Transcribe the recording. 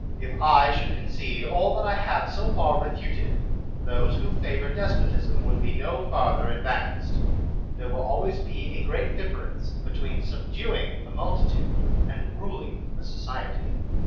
If I should concede all that I have so far refuted, those who favor despotism would be no farther advanced. There wUl always be a great difference between subduing a multitude and ruling a society.